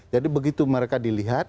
jadi begitu mereka dilihat